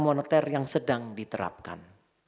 moneter yang sedang diterapkan